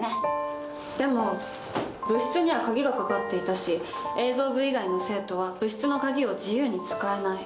でも部室には鍵がかかっていたし映像部以外の生徒は部室の鍵を自由に使えない。